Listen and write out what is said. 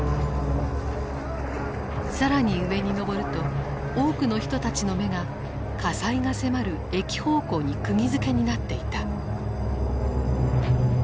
更に上に登ると多くの人たちの目が火災が迫る駅方向にくぎづけになっていた。